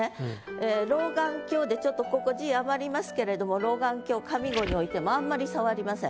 ええ「老眼鏡」でちょっとここ字余りますけれども「老眼鏡」上五に置いてもあんまり障りません。